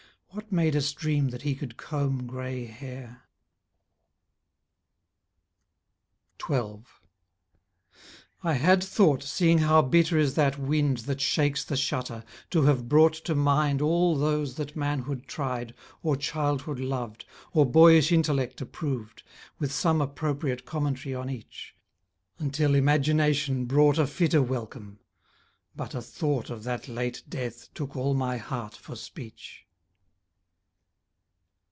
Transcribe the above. What made us dream that he could comb grey hair? 12 I had thought, seeing how bitter is that wind That shakes the shutter, to have brought to mind All those that manhood tried, or childhood loved, Or boyish intellect approved, With some appropriate commentary on each; Until imagination brought A fitter welcome; but a thought Of that late death took all my heart for speech.